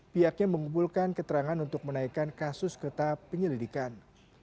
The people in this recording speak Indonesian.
pihaknya mengumpulkan keterangan untuk menaikkan kasus ketahuan